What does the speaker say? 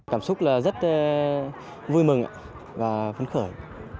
cảm xúc là rất vui mừng và phấn khởi